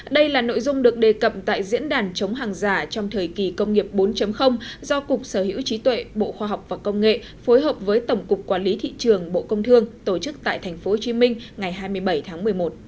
đây là nội dung được đề cập tại diễn đàn chống hàng giả trong thời kỳ công nghiệp bốn do cục sở hữu trí tuệ bộ khoa học và công nghệ phối hợp với tổng cục quản lý thị trường bộ công thương tổ chức tại tp hcm ngày hai mươi bảy tháng một mươi một